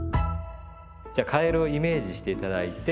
じゃあカエルをイメージして頂いて。